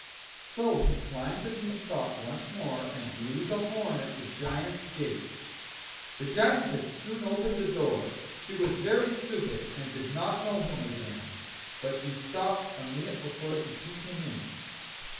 So he climbed the Beanstalk once more, and blew the horn at the Giant's gate. The Giantess soon opened the door; she was very stupid, and did not know him again,. but she stopped a minute before she took him in.